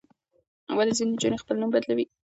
ولې ځینې نجونې خپل نوم بدلوي؟